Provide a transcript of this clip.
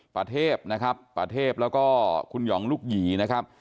ประเทพประเทพแล้วก็คุณหย่องลุคหยีนะครับ